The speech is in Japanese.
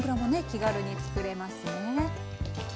気軽に作れますね。